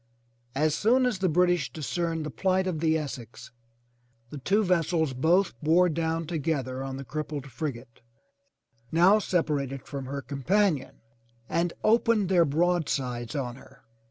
As soon as the British discerned the plight of the Essex, the two vessels both bore down together on the crippled frigate, now separated from her companion, and opened their broadsides on her.